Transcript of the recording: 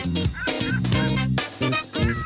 น่ะ